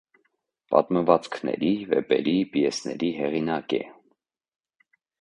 Պատմվածքների, վեպերի, պիեսների հեղինակ է։